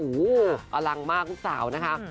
อุ้๋ออร่างมากลูกสาวน่าคะ